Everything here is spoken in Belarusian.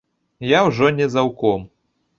Я ўжо не заўком.